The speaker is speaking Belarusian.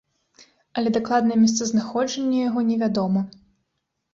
Але дакладнае месцазнаходжанне яго не вядома.